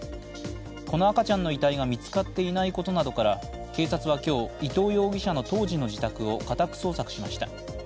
この赤ちゃんの遺体が見つかっていないことなどから警察は今日、伊藤容疑者の当時の自宅を家宅捜索しました。